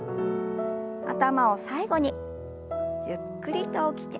頭を最後にゆっくりと起きて。